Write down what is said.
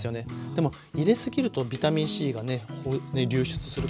でもゆで過ぎるとビタミンＣがね流出するから。